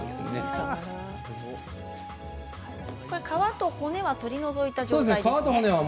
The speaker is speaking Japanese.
皮と骨は取り除いた状態ですね。